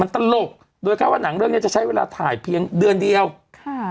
ตลกโดยค่าว่าหนังเรื่องเนี้ยจะใช้เวลาถ่ายเพียงเดือนเดียวค่ะ